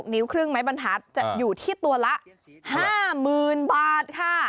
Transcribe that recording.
นิ้วครึ่งไม้บรรทัศน์จะอยู่ที่ตัวละ๕๐๐๐บาทค่ะ